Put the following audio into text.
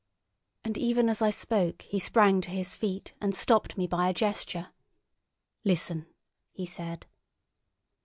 And even as I spoke he sprang to his feet and stopped me by a gesture. "Listen!" he said.